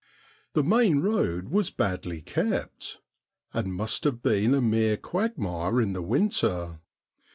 The main road was badly kept, and must have been a mere quagmire in the winter.